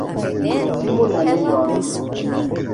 Timu nenion.